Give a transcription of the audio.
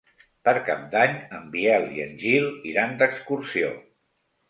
Per Cap d'Any en Biel i en Gil iran d'excursió.